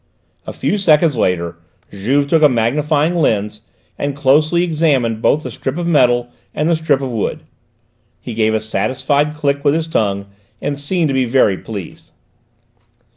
A few seconds later Juve took a magnifying lens, and closely examined both the strip of metal and the strip of wood. He gave a little satisfied click with his tongue, and seemed to be very pleased.